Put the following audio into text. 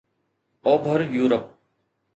اوڀر يورپ